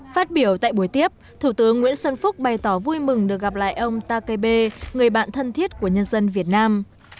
phát biểu tại buổi tiếp thủ tướng nguyễn xuân phúc bày tỏ vui mừng được gặp lại ông takebe người bạn thân thiết của nhân dân việt nam